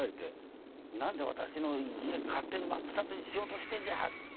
「何で私の家勝手に真っ二つにしようとしてんじゃ！」。